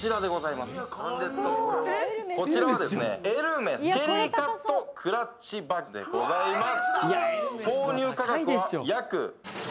こちらはエルメスケリーカットクラッチバッグでございます。